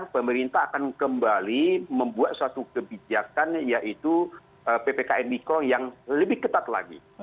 pemerintah akan kembali membuat suatu kebijakan yaitu ppkm mikro yang lebih ketat lagi